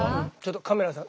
カメラさん？